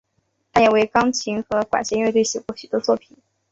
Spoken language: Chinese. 他也为钢琴和管弦乐队写过许多作品。